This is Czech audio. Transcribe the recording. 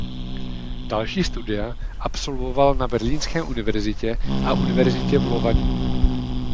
Další studia absolvoval na Berlínské univerzitě a Univerzitě v Lovani.